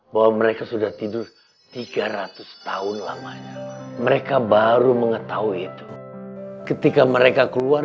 bahwa mereka sudah tidur tiga ratus tahun lamanya mereka baru mengetahui itu ketika mereka keluar